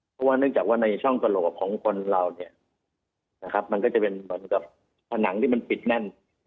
เพราะว่าเนื่องจากว่าในช่องกระโหลกของคนเราเนี่ยนะครับมันก็จะเป็นเหมือนกับผนังที่มันปิดแน่น